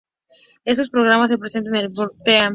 Otros programas se presentan en el Brown Theater.